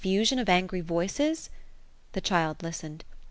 sion of angry voices? The child listened.